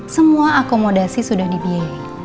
semua akomodasi sudah di bie